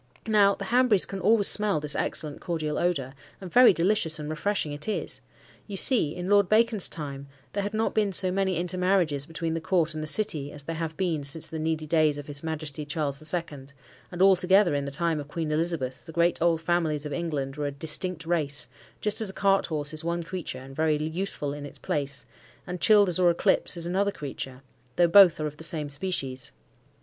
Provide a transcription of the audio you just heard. Now the Hanburys can always smell this excellent cordial odour, and very delicious and refreshing it is. You see, in Lord Bacon's time, there had not been so many intermarriages between the court and the city as there have been since the needy days of his Majesty Charles the Second; and altogether in the time of Queen Elizabeth, the great, old families of England were a distinct race, just as a cart horse is one creature, and very useful in its place, and Childers or Eclipse is another creature, though both are of the same species.